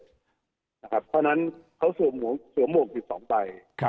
เพราะฉะนั้นเขาสวมหมวก๑๒ใบ